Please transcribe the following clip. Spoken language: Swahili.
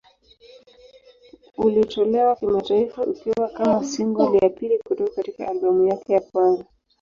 Ulitolewa kimataifa ukiwa kama single ya pili kutoka katika albamu yake ya kwanza.